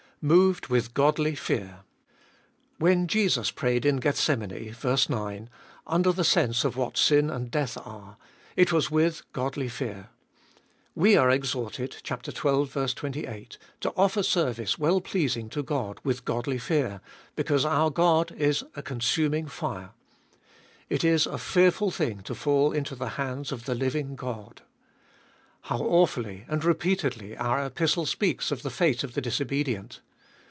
Moved with godly fear. When Jesus prayed in Gethsemane (v. 9), under the sense of what sin and death are, it was with godly fear. We are exhorted (xii. 28) to offer service well pleasing to God with godly fear, because our God is a con suming fire. It is a fearful thing to fall into the hands of the living God. How awfully and repeatedly our Epistle speaks of the fate of the disobedient.